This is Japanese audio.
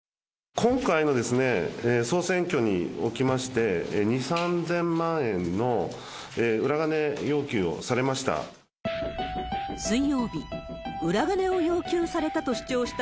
今回の総選挙におきまして、２、３０００万円の裏金要求をされました。